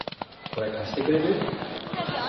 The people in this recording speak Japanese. これ、貸してくれる？